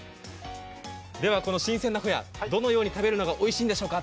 ではこの新鮮なホヤ、どのように食べるのがおいしいんでしょうか？